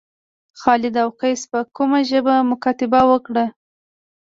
خالد او قیس په کومه ژبه مکاتبه وکړه.